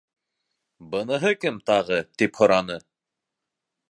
—Быныһы кем тағы? —тип һораны.